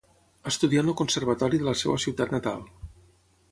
Estudià en el conservatori de la seva ciutat natal.